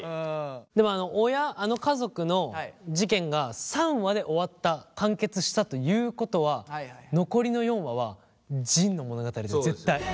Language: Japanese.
でも親あの家族の事件が３話で終わった完結したということは残りの４話は仁の物語だよ絶対。